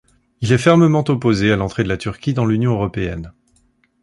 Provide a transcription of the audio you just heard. Il est fermement opposé à l'entrée de la Turquie dans l'Union européenne.